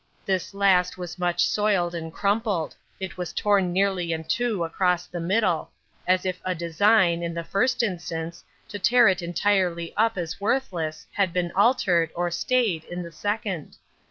This last was much soiled and crumpled. It was torn nearly in two, across the middle—as if a design, in the first instance, to tear it entirely up as worthless, had been altered, or stayed, in the second.